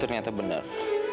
aku juga tau apaan